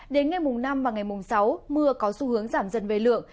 đến ngày mùng năm và ngày mùng sáu mưa có xu hướng giảm dần về lượng